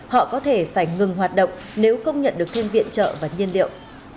họ có thể phải ngừng hoạt động nếu không nhận được thêm viện trợ và nhiên liệu